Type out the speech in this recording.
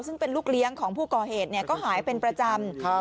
ซึ่งเป็นลูกเลี้ยงของผู้ก่อเหตุก็หายเป็นประจำ